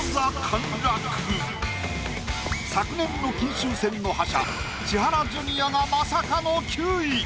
昨年の金秋戦の覇者千原ジュニアがまさかの９位。